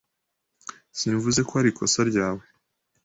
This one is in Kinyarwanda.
Simvuze ko arikosa ryawe.